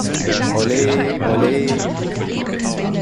Olé, olé!